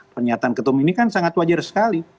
pernyataan ketum ini kan sangat wajar sekali